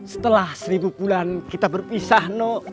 setelah seribu bulan kita berpisah no